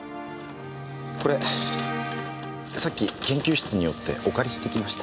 これさっき研究室に寄ってお借りしてきました。